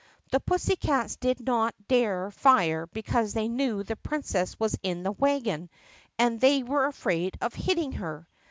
The pussycats did not dare fire because they knew the Princess was in the wagon and they were afraid of hitting her.